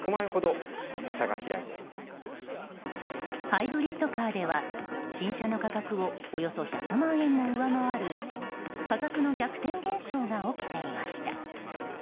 ハイブリッドカーでは新車の価格をおよそ１００万円も上回る価格の逆転現象が起きていました。